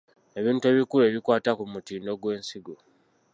Ebintu ebikulu ebikwata ku mutindo gw’ensigo.